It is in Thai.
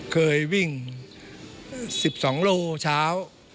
เคยวิ่ง๑๒โลเช้า